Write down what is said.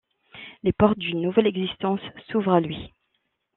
Les portes d'une nouvelle existence s'ouvrent à lui.